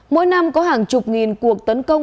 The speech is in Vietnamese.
mỗi năm có hàng chục nghìn cuộc tấn công